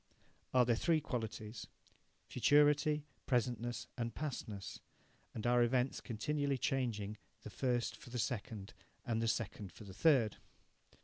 Are there three qualities futurity, presentness, and pastness, and are events continually changing the first for the second, and the second for the third?